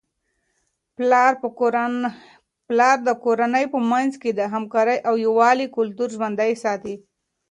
پلار د کورنی په منځ کي د همکارۍ او یووالي کلتور ژوندۍ ساتي.